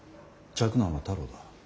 嫡男は太郎だ。